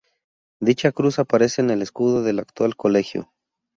Dicha cruz aparece en el escudo del actual colegio.